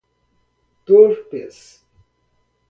torpes